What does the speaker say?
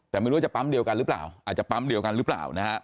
แต่ไม่รู้ว่าจะปั๊มเดียวกันหรือเปล่าอาจจะปั๊มเดียวกันหรือเปล่านะฮะ